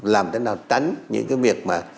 làm thế nào tránh những cái việc mà